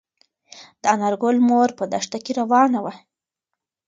د انارګل مور په دښته کې روانه وه.